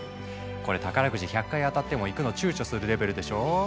これ宝くじ１００回当たっても行くの躊躇するレベルでしょう。